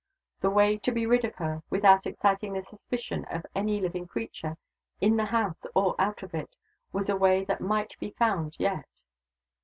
The way to be rid of her, without exciting the suspicion of any living creature, in the house or out of it, was a way that might be found yet.